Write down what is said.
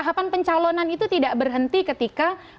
pahapan pencalonan itu tidak berhenti ketika misalnya